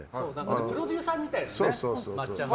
プロデューサーみたいですよね。